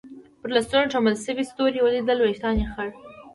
پر لستوڼو ټومبل شوي ستوري ولیدل، وېښتان یې خړ.